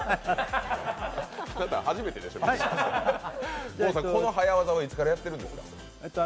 初めてでしょうこの早業はいつからやっているんですか？